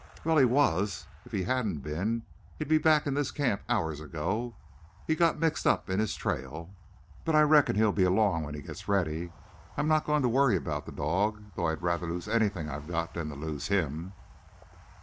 "Well, he was. If he hadn't been, he'd been back in this camp hours ago. He's got mixed up in his trail, but I reckon he'll be along when he gets ready. I'm not going to worry about the dog, though I'd rather lose anything I've got than to lose him."